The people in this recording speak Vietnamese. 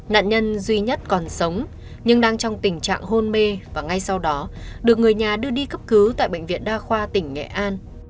nạn nhân duy nhất còn sống nhưng đang trong tình trạng hôn mê và ngay sau đó được người nhà đưa đi cấp cứu tại bệnh viện đa khoa tỉnh nghệ an